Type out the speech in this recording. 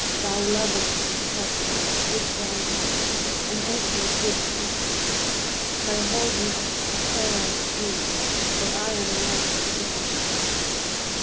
Thou lovedst pastime with thy heart, And eke good company; Pray hold me up for fear I swoon, For I am like to die.